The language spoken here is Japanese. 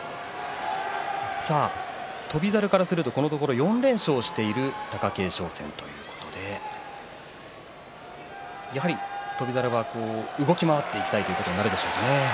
翔猿からすると４連勝している貴景勝戦ということで、やはり翔猿は動き回っていきたいということになるでしょうかね。